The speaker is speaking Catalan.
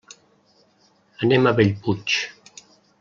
Anem a Bellpuig.